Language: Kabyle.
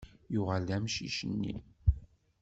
Yuɣal-d umcic-nni.